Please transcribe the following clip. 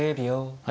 はい。